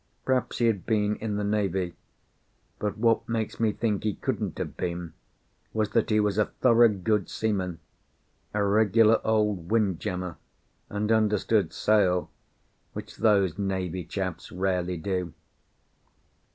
Perhaps he had been in the Navy, but what makes me think he couldn't have been, was that he was a thorough good seaman, a regular old windjammer, and understood sail, which those Navy chaps rarely do.